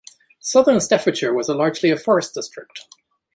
Southern Staffordshire was largely a forest-district.